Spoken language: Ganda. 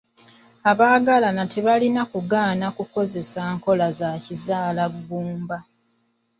Abagalana tebalina kugaana kukozesa nkola za kizaalaggumba.